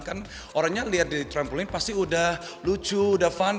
kan orangnya lihat di trampolin pasti udah lucu udah fun